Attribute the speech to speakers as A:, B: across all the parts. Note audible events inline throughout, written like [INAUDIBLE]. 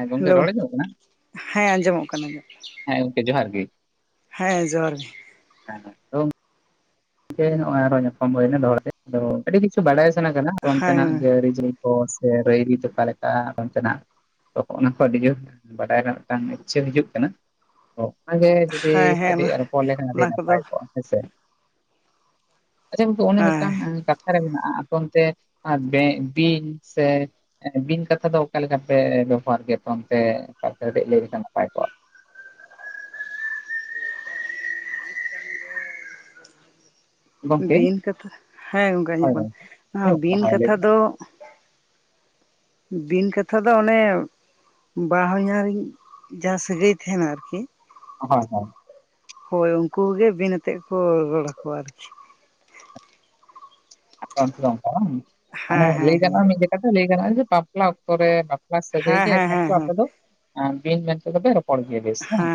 A: ᱦᱮᱸ ᱜᱚᱝᱠᱮ
B: ᱦᱮᱞᱳ
A: ᱨᱚᱲ ᱟᱸᱡᱚᱢᱚᱜ ᱠᱟᱱᱟ
B: ᱦᱮᱸ ᱟᱸᱡᱚᱢᱚᱜ ᱠᱟᱱᱟ
A: ᱦᱮᱸ ᱜᱚᱝᱠᱮ ᱡᱚᱦᱟᱨ ᱜᱮ
B: ᱦᱮᱸ ᱡᱚᱦᱟᱨ ᱜᱮ
A: [UNINTELLIGIBLE] ᱜᱚᱝᱠᱮ ᱟᱨᱚ ᱧᱟᱯᱟᱢ ᱦᱩᱭᱱᱟ ᱫᱚᱦᱲᱟ ᱛᱮ ᱟᱹᱰᱤ ᱠᱤᱪᱷᱩ ᱵᱟᱰᱟᱭ ᱥᱟᱱᱟ ᱠᱟᱱᱟ ᱟᱫᱚ
B: ᱦᱮᱸ
A: ᱚᱱᱛᱮᱱᱟᱜ ᱜᱮ ᱟᱹᱨᱤ ᱪᱟᱹᱞᱤ ᱠᱚ ᱥᱮ ᱨᱟᱹ ᱨᱤᱛ ᱚᱠᱟ ᱞᱮᱠᱟ ᱚᱱᱛᱮᱱᱟᱜ ᱛᱚ ᱚᱱᱟ ᱟᱹᱰᱤ ᱡᱳᱛ ᱵᱟᱰᱟᱭ ᱨᱮᱱᱟᱜ ᱤᱪᱪᱷᱟᱹ ᱦᱤᱡᱩᱜ ᱠᱟᱱᱟ ᱚᱱᱟ ᱜᱮ ᱡᱩᱫᱤ
B: ᱦᱮᱸ ᱦᱮᱸ
A: ᱠᱟᱹᱴᱤᱡ ᱨᱚᱯᱚᱲ ᱞᱮᱠᱷᱟᱱ ᱟᱹᱰᱤ
B: ᱚᱱᱟ ᱠᱚᱫᱚ
A: ᱱᱟᱯᱟᱭ ᱠᱚᱜᱼᱟ ᱦᱮᱸᱥᱮ ᱟᱪᱪᱷᱟ ᱜᱚᱝᱠᱮ ᱚᱱᱮ
B: ᱦᱮᱸ
A: ᱢᱤᱫᱴᱟᱝ ᱠᱟᱛᱷᱟ ᱨᱮ ᱢᱮᱱᱟᱜᱼᱟ ᱟᱯᱮ ᱚᱱᱛᱮ ᱵᱤᱱ ᱥᱮ ᱵᱤᱱ ᱠᱟᱛᱷᱟ ᱫᱚ ᱚᱠᱟ ᱞᱮᱠᱟ ᱯᱮ ᱵᱮᱵᱚᱦᱟᱨ ᱜᱮᱭᱟ ᱛᱚ ᱚᱱᱛᱮ ᱞᱟᱹᱭ ᱞᱮᱠᱷᱟᱱ ᱱᱟᱯᱟᱭ ᱠᱚᱜᱼᱟ ᱜᱚᱝᱠᱮ
B: ᱵᱤᱱ ᱠᱟᱛᱷᱟ ᱦᱮᱸ ᱜᱚᱝᱠᱮ
A: ᱦᱳᱭ
B: ᱟᱡᱟᱜᱸᱢᱚᱜ ᱠᱟᱱᱟ
A: ᱟᱸᱡᱚᱢᱚᱜ
B: ᱵᱤᱱ
A: ᱦᱳᱭ ᱞᱟᱹᱭ
B: ᱠᱟᱛᱷᱟ
A: ᱵᱮᱱ
B: ᱫᱚ ᱵᱤᱱ ᱠᱟᱛᱷᱟ ᱫᱚ ᱚᱱᱮ ᱵᱟ ᱦᱚᱧᱟᱨᱤᱧ ᱡᱟᱦᱟᱸ ᱥᱟᱹᱜᱟᱹᱭ ᱛᱟᱦᱮᱱᱟ ᱟᱨᱠᱤ
A: ᱦᱳᱭ ᱦᱳᱭ
B: ᱦᱳᱭ ᱩᱱᱠᱩ ᱜᱮ ᱵᱤᱱ ᱟᱛᱮᱫ ᱠᱚ ᱨᱚᱲ ᱟᱠᱚᱣᱟ ᱟᱨᱠᱤ
A: [UNINTELLIGIBLE]
B: ᱦᱮᱸ
A: ᱢᱟᱱᱮ ᱞᱟᱹᱭ
B: ᱦᱮᱸ
A: ᱜᱟᱱᱚᱜᱼᱟ ᱢᱤᱫ ᱡᱮᱠᱷᱟᱛᱮ ᱞᱟᱹᱭ ᱜᱟᱱᱚᱜᱼᱟ ᱵᱟᱯᱞᱟ ᱚᱠᱛᱚ ᱨᱮ ᱵᱟᱯ ᱞᱟ ᱥᱟᱹᱜᱟ. ᱭ
B: ᱦᱮᱸ
A: ᱜᱮ
B: ᱦᱮᱸ
A: ᱮᱠᱢᱟᱛᱨ
B: ᱦᱮᱸ ᱦᱮᱸ
A: ᱟᱵᱚ ᱫᱚ ᱵᱤᱱ ᱢᱮᱱᱛᱮ ᱵᱮᱱ ᱨᱚᱯᱚᱲ ᱜᱮᱭᱟᱹ ᱵᱮᱥ ᱦᱮᱸ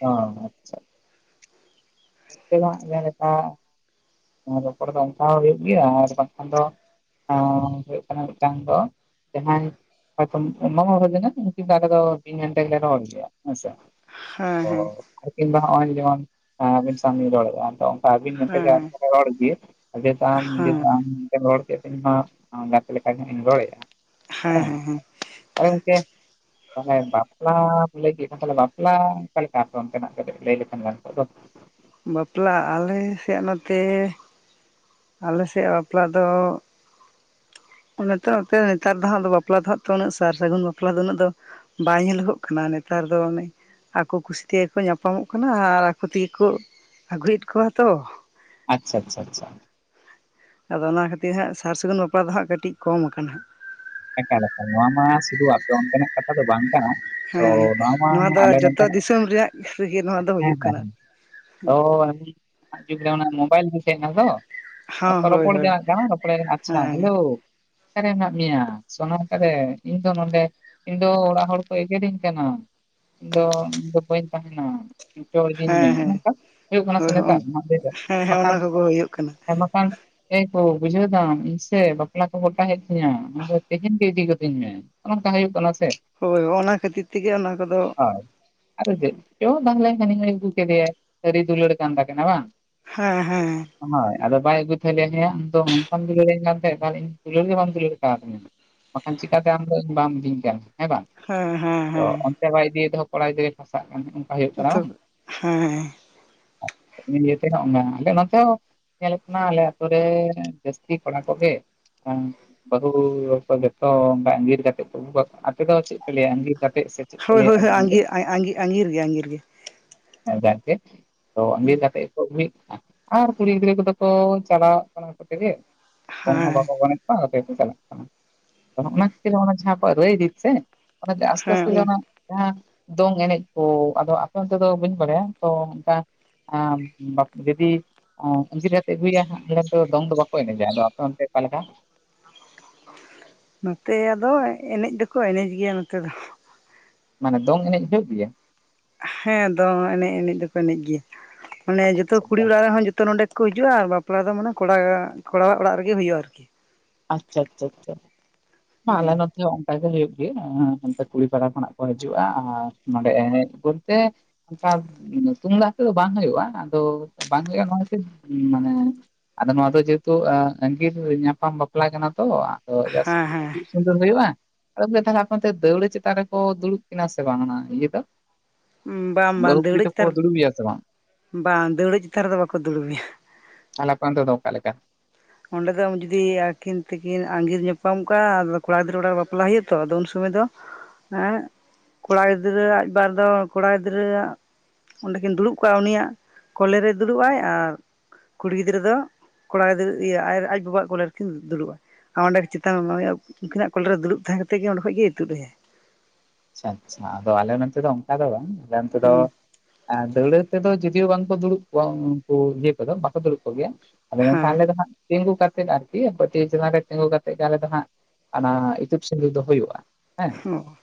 A: ᱚ ᱟᱪᱪᱷᱟ ᱱᱤᱛᱚᱜᱟᱜ ᱡᱮᱞᱮᱠᱟ ᱚᱱᱟ ᱨᱚᱯᱚᱲ ᱫᱚ ᱚᱱᱠᱟ ᱦᱚᱸ ᱦᱩᱭᱩᱜ ᱜᱮᱭᱟ ᱟᱨ ᱵᱟᱝᱠᱷᱟᱱ ᱫᱚ ᱚ ᱦᱩᱭᱩᱜ ᱠᱟᱱᱟ ᱢᱤᱫᱴᱟᱝ ᱫᱚ ᱡᱟᱦᱟᱱ ᱦᱟᱛᱚᱢ ᱢᱟᱢᱟ ᱵᱷᱟᱹᱜᱱᱟᱹ ᱩᱱᱠᱤᱱ ᱫᱚ ᱟᱠᱚ ᱫᱚ ᱵᱤᱱ ᱢᱮᱱᱛᱮ ᱜᱮ ᱨᱚᱲ ᱜᱮᱭᱟ
B: ᱦᱮᱸ ᱦᱮᱸ
A: ᱟᱨ ᱠᱤᱱᱵᱟ ᱦᱚᱸᱜᱼᱚᱭ ᱡᱮᱢᱚᱱ ᱟᱹᱵᱤᱱ ᱥᱟᱶ ᱞᱤᱧ ᱨᱚᱲᱮᱫᱼᱟ ᱚᱱᱠᱟ ᱟᱹᱵᱤᱱ
B: ᱦᱮᱸ ᱦᱮᱸ
A: ᱢᱮᱱ
B: ᱦᱮᱸ
A: ᱛᱮᱜᱮ
B: ᱦᱮᱸ
A: ᱟᱨ ᱨᱚᱲ ᱜᱮ
B: ᱦᱮᱸ
A: [UNINTELLIGIBLE] ᱨᱚᱲ ᱠᱮᱫ ᱤᱧ ᱦᱚᱸ ᱜᱟᱛᱮ ᱞᱮᱠᱟ ᱜᱮ ᱤᱧ ᱨᱚᱲᱮᱜᱼᱟ
B: ᱦᱮᱸ ᱦᱮᱸ ᱦᱮᱸ
A: ᱟᱨ ᱜᱚᱝᱠᱮ ᱛᱟᱦᱚᱞᱮ ᱵᱟᱯᱞᱟᱢ ᱞᱟᱹᱭ ᱠᱮᱫ ᱠᱷᱟᱱ ᱵᱟᱯᱞᱟ ᱚᱱᱠᱟ ᱞᱮᱠᱟ ᱚᱱᱛᱮᱱᱟᱜ ᱠᱟᱹᱴᱤᱪᱡ ᱞᱟᱹᱭ ᱞᱮᱠᱷᱟᱱ ᱜᱟᱱ ᱠᱚᱜ ᱫᱚ
B: ᱵᱟᱯᱞᱟ ᱟᱞᱮ ᱥᱮᱫ ᱱᱚᱛᱮ ᱟᱞᱮ ᱥᱮᱜ-ᱟ ᱵᱟᱯᱞᱟ ᱫᱚ ᱚᱱᱟ ᱱᱚᱛᱮ ᱱᱮᱛᱟᱨ ᱫᱚ ᱦᱟᱸᱜ ᱫᱚ ᱵᱟᱯᱞᱟ ᱫᱚ ᱦᱟᱸᱜ ᱛᱚ ᱩᱱᱟᱹᱜ ᱥᱟᱨ ᱥᱟᱹᱜᱩᱱ ᱵᱟᱯᱞᱟ ᱫᱚ ᱩᱱᱟᱹᱜ ᱫᱚ ᱵᱟᱭ ᱧᱮᱞᱚᱜᱚᱜ ᱠᱟᱱᱟ ᱱᱮᱛᱟᱨ ᱫᱚ ᱚᱱᱮ ᱟᱠᱚ ᱠᱩᱥᱤ ᱛᱮᱜᱮᱠᱚ ᱧᱟᱯᱟᱢᱚᱜ ᱠᱟᱱᱟ ᱟᱨ ᱟᱠᱚ ᱛᱮᱜᱮᱠᱚ ᱟᱹᱜᱩᱭᱮᱫ ᱠᱚᱣᱟ ᱛᱚ
A: ᱟᱪᱪᱷᱟ ᱟᱪᱪᱷᱟ ᱟᱪᱪᱷᱟ
B: ᱟᱫᱚ ᱚᱱᱟ ᱠᱷᱟᱹᱛᱤᱨ ᱦᱟᱸᱜ ᱥᱟᱨ ᱥᱟᱹᱜᱩᱱ ᱵᱟᱯᱞᱟ ᱫᱚ ᱦᱟᱸᱜ ᱠᱟᱹᱴᱤᱡ ᱠᱚᱢ ᱟᱠᱟᱱᱟ ᱦᱟᱸᱜ
A: ᱮᱠᱟᱞ ᱮᱠᱟᱞ ᱱᱚᱣᱟ ᱢᱟ ᱥᱩᱫᱷᱩ ᱟᱯᱮ ᱚᱱᱛᱮᱱᱟᱜ ᱠᱟᱛᱷᱟ ᱫᱚ ᱵᱟᱝ ᱠᱟᱱᱟ ᱛᱚ
B: ᱦᱮᱸ
A: ᱢᱟ
B: ᱱᱚᱣᱟ ᱫᱚ
A: ᱟᱞᱮ
B: ᱡᱚᱛᱚ
A: ᱱᱚᱛᱮᱱᱟᱜ
B: ᱫᱤᱥᱚᱢ ᱨᱮᱭᱟᱜ ᱨᱮᱜᱮ ᱱᱚᱣᱟ ᱫᱚ
A: ᱦᱮᱸ
B: ᱦᱩᱭᱩᱜ
A: ᱦᱮᱸ
B: ᱠᱟᱱᱟ
A: ᱱᱟᱦᱟᱜ ᱡᱩᱜᱽ ᱨᱮ ᱚᱱᱟ ᱢᱳᱵᱟᱭᱤᱞ [UNINTELLIGIBLE] ᱮᱱᱟ ᱛᱚ
B: ᱦᱚᱸ
A: ᱨᱚᱯᱚᱲ
B: ᱦᱳᱭ
A: ᱨᱚᱯᱚᱲ
B: ᱦᱳᱭ
A: [UNINTELLIGIBLE] ᱟᱪᱪᱷᱟ
B: ᱦᱮᱸ
A: ᱦᱮᱞᱳ, ᱚᱠᱟᱨᱮ ᱢᱮᱱᱟᱜ ᱢᱮᱭᱟ ᱥᱚᱱᱟ ᱚᱠᱟᱨᱮ ᱤᱧ ᱫᱚ ᱱᱚᱰᱮ ᱤᱧ ᱫᱚ ᱚᱲᱟᱜ ᱦᱚᱲ ᱠᱚ ᱮᱜᱮᱨᱮᱧ ᱠᱟᱱᱟ ᱤᱧ ᱫᱚ ᱤᱧ ᱫᱚ ᱵᱟᱹᱧ ᱛᱟᱦᱮᱱᱟ ᱱᱤᱛᱚᱜ ᱤᱫᱤᱧ
B: ᱦᱮᱸ
A: ᱢᱮ
B: ᱦᱮᱸ
A: ᱱᱚᱝᱠᱟ ᱦᱩᱭᱩᱜ ᱠᱟᱱᱟ ᱥᱮ
B: ᱦᱳᱭ
A: ᱱᱮᱛᱟᱨ
B: ᱦᱮᱸ
A: [UNINTELLIGIBLE]
B: ᱦᱮᱸ
A: ᱵᱟᱠᱷᱟᱱ
B: ᱚᱱᱟ ᱠᱚᱜᱮ ᱦᱩᱭᱩᱜ ᱠᱟᱱᱟ
A: ᱦᱮᱸ ᱵᱟᱠᱷᱟᱱ ᱮ ᱜᱳ ᱵᱩᱡᱷᱟᱹᱣ ᱫᱟᱢ ᱤᱧ ᱥᱮ ᱵᱟᱯᱞᱟ ᱠᱚ ᱜᱚᱴᱟ ᱦᱮᱡ ᱛᱤᱧᱟᱹ ᱛᱮᱦᱮᱧ ᱜᱮ ᱤᱫᱤ ᱜᱚᱫᱤᱧ ᱢᱮ ᱱᱚᱝᱠᱟ ᱦᱩᱭᱩᱜ ᱠᱟᱱᱟ ᱥᱮ
B: ᱦᱳᱭ ᱚᱱᱶᱟ ᱠᱷᱟᱹᱛᱤᱨ ᱛᱮᱜᱮ ᱚᱱᱟ ᱠᱚᱫᱚ
A: ᱦᱳᱭ ᱟᱫᱚ ᱪᱮ ᱛᱟᱦᱚᱞᱮ ᱦᱟᱱᱤᱦ. ᱟᱹᱜᱩ ᱠᱮᱫᱮᱭᱭᱟ ᱥᱟᱹᱨᱤ ᱫᱩᱞᱟᱹᱲ ᱠᱟᱱ ᱛᱟᱠ ᱵᱟᱝ
B: ᱦᱮᱸ ᱦᱮᱸ
A: ᱦᱳᱭ ᱟᱫᱚ ᱵᱟᱭ ᱟᱹᱜᱩ ᱛᱮ ᱦᱭᱟ ᱟᱢᱫᱚ ᱱᱚᱝᱠᱟᱢ ᱫᱩᱞᱟᱹᱲᱤᱧ ᱠᱟᱱ ᱛᱟᱦᱮᱸᱫ ᱦᱮ ᱟᱢᱫ ᱫᱩᱞᱟᱹᱲ ᱜᱮ ᱵᱟᱢ ᱫᱩᱞᱟᱹᱲ ᱟᱠᱟᱫ ᱛᱟᱦᱮᱸᱟᱹ ᱵᱟᱠᱷᱟᱱ ᱪᱤᱠᱟᱛᱮ ᱟᱢᱫᱚ ᱤᱧ ᱵᱟᱢ ᱤᱫᱤᱧ ᱠᱟᱱᱟ ᱦᱮᱸ ᱵᱟᱝ
B: ᱦᱮᱸ ᱦᱮᱸ
A: ᱛᱚ
B: ᱦᱮᱸ
A: ᱪᱟᱵᱟᱭ ᱤᱫᱤᱭ ᱛᱮᱦᱚᱸ ᱠᱚᱲᱟ ᱜᱤᱫᱽᱨᱟᱹ ᱜᱮ ᱯᱷᱟᱥᱟᱜ ᱠᱟᱱᱟ ᱚᱱᱠᱟ ᱦᱩᱭᱩᱜ ᱠᱟᱱᱟ
B: ᱛᱚ
A: ᱵᱟᱝ
B: ᱦᱮᱸ
A: ᱤᱭᱟᱹᱛᱮ ᱱᱚᱜᱼ ᱟᱞᱮ ᱱᱛᱮ ᱧᱮᱞᱝ ᱠᱟᱱᱟ ᱟᱞᱮ ᱟ ᱟᱹᱛᱩ ᱨᱮ ᱡᱟᱹᱥᱛᱤ ᱠᱚᱲᱟ ᱠᱚᱜᱮ ᱦ ᱵᱟᱦᱩ ᱡᱚᱛᱚ ᱚᱱᱠᱟ ᱟᱸᱜᱤᱨ ᱠᱟᱛᱮᱫ ᱠᱚ ᱟᱹᱜᱩᱠᱟ ᱟᱯᱮᱫ ᱫᱚ ᱪᱮᱫ ᱯᱮ ᱞᱟᱹᱭᱟ ᱟᱸᱜᱤᱨ ᱠᱟᱛᱮᱫ ᱥᱮ ᱪᱮᱫ ᱯᱮ
B: ᱦᱳᱭ ᱦᱳᱭ
A: ᱞᱟᱹᱭᱟ
B: ᱦᱳᱭᱸᱟᱜᱤᱨ ᱜᱮ ᱟᱸᱜᱤᱨ ᱜᱮ ᱟᱸᱜᱤᱨ ᱜᱮ
A: ᱦᱮᱸ ᱛ ᱟᱜ. ᱤᱨ [UNINTELLIGIBLE] ᱠᱟᱛᱮᱜ ᱟᱨ ᱠᱩᱲᱤ ᱜᱤᱫᱽᱨᱟᱹ ᱠᱚᱫᱚ ᱠᱚ ᱪᱟᱞᱟᱣᱜ ᱠᱟᱱᱟ ᱠᱚ ᱛᱮᱜᱮ ᱠᱚ ᱦᱚᱸ
B: ᱦᱮᱸ
A: ᱵᱟᱠᱚ ᱵᱟᱲ ᱵᱟᱝᱭ [UNINTELLIGIBLE] ᱪᱟᱞᱟᱜ ᱠᱟᱱᱟ ᱚᱱᱟ ᱠᱷᱟᱹᱛᱤᱨᱨᱮ ᱚᱱᱟ ᱡᱟᱦᱟᱸ ᱨᱟᱹᱭ ᱫᱤ ᱥᱮ ᱟᱥᱛᱮ ᱟᱥᱛᱮ ᱚᱱᱟ ᱡᱟᱦᱟᱸ ᱫᱚᱝ ᱮᱱᱮᱡ ᱠᱚ ᱟᱫᱚ ᱟᱯᱮ ᱚᱱᱛᱮ ᱫᱚ ᱵᱟᱹᱧ ᱵᱟᱲᱟᱭᱟ ᱛᱚ ᱚᱱᱠᱟ [INAUDIBLE] ᱡᱩᱫᱤ ᱟᱹᱜᱤᱨ ᱠᱟᱛᱮ ᱟᱹᱜᱩᱭᱟ ᱮᱱᱠᱷᱟᱱ ᱛ ᱫᱚᱝ ᱫᱚ ᱵᱟᱠᱚ [INAUDIBLE] ᱠᱚᱭ ᱡ ᱯᱟᱞᱠᱟ [UNINTELLIGIBLE]
B: ᱱᱚᱛᱮ ᱟᱫᱚ ᱮᱱᱮᱡ ᱫᱚᱠᱚ ᱮᱱᱮᱡ ᱜᱮᱭᱟ ᱱᱚᱛᱮ ᱫᱚ [INAUDIBLE]
A: ᱢᱟᱱᱮ ᱫᱚᱝ ᱮᱱᱮᱡ ᱦᱩᱭᱩᱜ ᱜᱮᱭᱟ [INAUDIBLE]
B: ᱦᱮᱸ ᱫᱚᱝ ᱮᱱᱮᱡ ᱮᱱᱮᱡ ᱫᱚᱠᱚ ᱮᱱᱮᱡ ᱜᱮᱭᱟ ᱢᱟᱱᱮ ᱡᱚᱛᱚ ᱠᱩᱲᱤ ᱚᱲᱟᱜ ᱨᱮᱦᱚᱸᱚ [INAUDIBLE] ᱛᱚ ᱱᱚᱰᱮ ᱠᱚ ᱦᱤᱡᱩᱜᱼᱟ ᱟᱨ ᱵᱟᱯᱞᱟ ᱫᱚ ᱢᱟᱱᱮ ᱠᱚᱲᱟ ᱠᱚᱲᱟᱣᱟᱜ ᱚᱲᱟᱜ ᱨᱮᱜᱮ ᱦᱩᱭᱩᱜᱼᱟ ᱟᱨᱠᱤ [INAUDIBLE]
A: ᱟᱪᱪᱷᱟ ᱟᱪᱪᱷᱟ ᱟᱪᱪᱷᱟ ᱢᱞᱟ [UNINTELLIGIBLE] ᱚᱱᱠᱟᱟᱜ ᱜᱮ ᱦᱩᱭᱩᱜ ᱜᱮᱭᱟ ᱚᱱᱛᱮ ᱠᱩᱲᱤ ᱯᱟᱲᱟ ᱠᱷᱚᱱᱟᱜ ᱠᱚ ᱦᱤᱡᱩᱜᱼᱟ ᱟᱨ ᱱᱚᱰᱮᱮᱡ ᱵᱚᱞᱛᱮ [UNINTELLIGIBLE] ᱚᱱᱠᱟ ᱛᱩᱢᱫᱟᱜ ᱛᱮᱫᱚ ᱵᱟᱝ ᱦᱩᱭᱩᱜᱼᱟ ᱟᱫᱚ ᱵᱟᱝ ᱦᱩᱭᱩᱜᱼᱟ ᱱᱚᱣᱟ ᱠᱷᱛᱤᱨ ᱢᱟᱱᱮ [UNINTELLIGIBLE] ᱟᱫᱚ ᱱᱚᱣᱟ ᱫᱚ ᱡᱮᱦᱮᱛᱩ ᱟᱜᱤᱨ ᱧᱟᱯᱟᱢ ᱵᱟᱯᱞᱟ ᱠᱟᱱᱟ ᱛᱚ ᱟᱫᱚ ᱡᱟᱥᱛᱤ
B: ᱦᱮᱸ ᱦᱮᱸ
A: ᱟᱫ ᱦᱩᱭᱩᱜᱼᱟ ᱟᱫᱚ ᱵᱚᱞᱮ ᱛᱟᱦᱚᱞᱮ ᱦᱟᱯ ᱫᱟᱹᱣᱲᱟᱹ ᱪᱮᱛᱟᱱ ᱨᱮᱠᱚ ᱫᱩᱲᱩᱵ ᱠᱤᱱᱟ ᱥᱮ ᱵᱟᱝ ᱤᱭᱟᱹ ᱫᱚ
B: ᱵᱟᱝ ᱵᱟᱝ
A: ᱵᱟᱦᱩ ᱠᱩᱲᱤ
B: ᱫᱟᱹᱣᱲᱟᱹ
A: ᱫᱚ
B: ᱪᱮᱛᱟᱱ
A: ᱫᱩᱲᱩᱵᱟ ᱮᱭᱟ ᱥᱮ ᱵᱟᱝ [UNINTELLIGIBLE]
B: ᱵᱟᱝ ᱫᱟᱹᱲᱩ ᱪᱮᱛᱟᱱ ᱨᱮᱫᱚ ᱵᱟᱠᱚ ᱫᱩᱲᱩᱵ ᱢᱮᱭᱟ [UNINTELLIGIBLE]
A: ᱟᱞᱞᱟ ᱠᱟᱱᱟᱱ ᱫᱚᱠᱟᱮ [UNINTELLIGIBLE]
B: ᱚᱸᱰᱮ ᱫᱚ ᱡᱩᱫᱤ ᱟᱹᱠᱤᱱ ᱛᱠᱤᱱ ᱟᱸᱜᱤᱨ ᱧᱟᱯᱟᱢ ᱠᱚᱟᱜᱼᱟ ᱟ ᱠᱚᱲᱟ ᱜᱤᱫᱽᱨᱟᱹ ᱚᱲᱟᱜ ᱨᱮ ᱵᱟᱯᱞᱟ ᱦ ᱦᱩᱭᱩᱜᱼᱟ ᱛᱚ ᱟᱫᱚ ᱩᱱ ᱥᱚᱢᱚᱭ ᱫᱚ [UNINTELLIGIBLE] ᱦᱮᱸ ᱠᱚᱲᱟ ᱜᱤᱫᱽᱨᱟᱹ ᱟᱡᱵᱟᱨ ᱫᱚ ᱠᱚᱲᱟ ᱜᱤᱫᱽᱨᱟᱹ [UNINTELLIGIBLE] ᱚᱸᱰᱮᱠᱤᱱ ᱫᱩᱲᱩᱵ ᱠᱚᱜᱼᱟ ᱩᱱᱤᱭᱟᱜ ᱠᱚᱞᱮᱨᱮᱭ ᱫᱩᱲᱩᱵ ᱟᱭ ᱟᱨ [INAUDIBLE] ᱠᱩᱲᱤ ᱜᱤᱫᱽᱨᱟᱹ ᱫᱚ ᱠᱚᱲᱟ ᱜᱤᱫᱽᱨᱟᱹ ᱟᱡ ᱵᱟᱵᱟᱣᱟᱜ ᱠᱚᱞ ᱨᱮᱠᱤᱱ ᱫᱩᱲᱩᱵᱼᱟ [INAUDIBLE] ᱟᱨ ᱚᱸᱰᱮ ᱪᱮᱛᱟᱱᱮ ᱮᱢᱟᱢᱟ ᱩᱱᱠᱤᱱᱟᱜ ᱠᱚᱞᱨᱮ ᱫᱩᱲᱩᱵ ᱛᱟᱦᱮᱸ ᱠᱟᱛᱮ ᱜᱮ ᱚᱸᱰᱮᱚᱡ ᱜᱮᱭ ᱤᱛᱩᱫ ᱞᱮᱟᱭ [UNINTELLIGIBLE]
A: ᱟᱪᱪᱷᱟ ᱟᱪᱪᱷᱟ ᱟᱫᱚ ᱟᱞᱮ ᱱᱚᱱᱛᱮ ᱫᱚ ᱚᱱᱠᱟ ᱫᱚ ᱵᱟᱝ ᱟᱞᱮ ᱱᱚᱱᱛᱮ ᱫᱚ
B: ᱦᱮᱸ
A: [INAUDIBLE] ᱫᱟᱹᱲᱟᱹ ᱛᱮᱫᱚ ᱡᱩᱫᱤᱭᱳ ᱵᱟᱝᱠᱚ ᱫᱩᱲᱩᱵ ᱠᱚᱜᱣᱟ ᱩᱱᱠᱩ ᱤᱭᱟᱹ ᱠᱚᱫᱚ ᱵᱟᱠᱚ ᱫᱩᱲᱩᱵ ᱠᱚᱜᱮᱭᱟ [UNINTELLIGIBLE] ᱟᱫᱚ ᱢᱮᱱᱠᱷᱟᱱ ᱟᱞᱮ ᱫᱚ
B: ᱦᱮᱸ
A: ᱦᱜ ᱛᱤᱸᱜᱩ ᱠᱟᱛᱮᱮᱫ ᱟᱨᱠᱤ ᱪᱮᱛ ᱨᱮ ᱛᱤᱸᱜᱩ ᱠᱟᱛᱮᱜ ᱜᱮ ᱟᱞᱮ ᱫᱚ ᱦᱟᱸᱜ [UNINTELLIGIBLE] ᱚᱱᱟ ᱤᱤᱛᱟᱹᱵ ᱥᱤᱸᱫᱩᱨ ᱫᱚ ᱦᱩᱭᱩᱜᱼᱟ ᱦᱮᱸ [UNINTELLIGIBLE]
B: ᱚ [UNINTELLIGIBLE]